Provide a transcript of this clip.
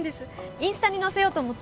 インスタに載せようと思って